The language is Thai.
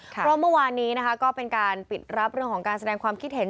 เพราะเมื่อวานนี้นะคะก็เป็นการปิดรับเรื่องของการแสดงความคิดเห็น